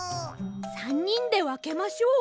３にんでわけましょう。